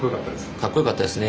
かっこよかったですね